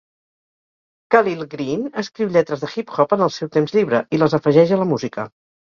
Khalil Greene escriu lletres de hip-hop en el seu temps lliure i les afegeix a la música.